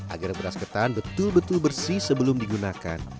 agar beras ketan betul betul bersih sebelum digunakan